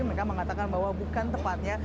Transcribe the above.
mereka mengatakan bahwa bukan tepatnya